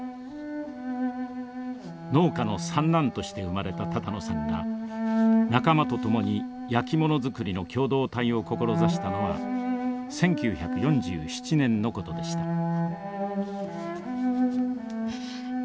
農家の三男として生まれた多々納さんが仲間と共にやきもの作りの共同体を志したのは１９４７年のことでした。